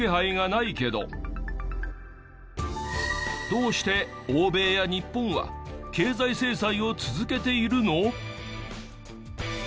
どうして欧米や日本は経済制裁を続けているの？